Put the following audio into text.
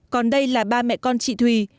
còn đây là ba mẹ con chị thùy